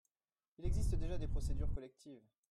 Il existe déjà des procédures collectives.